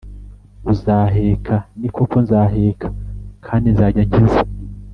uzaheka Ni koko nzaheka kandi nzajya nkiza